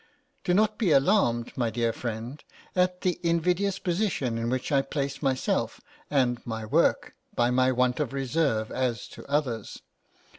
Do not be alarmed, my dear friend, at the invidious position in which I place myself and my work by my want of reserve as to others.